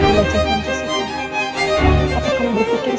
gak ada kabar lagi